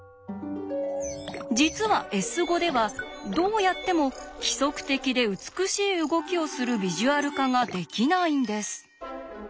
実は「Ｓ」ではどうやっても規則的で美しい動きをするビジュアル化ができないんです。